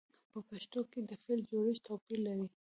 په پښتو کې د فعل جوړښت توپیر لري.